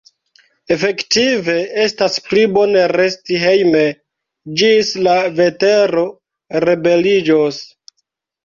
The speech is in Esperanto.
Efektive, estas pli bone resti hejme, ĝis la vetero rebeliĝos.